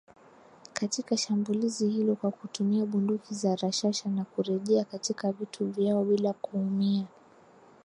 Katika shambulizi hilo kwa kutumia bunduki za rashasha na kurejea katika vituo vyao bila kuumia.